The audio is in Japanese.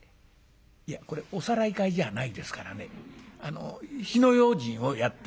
「いやこれおさらい会じゃないですからねあの火の用心をやってもらいたいんですよ」。